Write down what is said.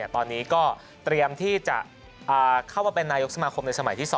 ตอนนี้ก็เตรียมที่จะเข้ามาเป็นนายกสมาคมในสมัยที่๒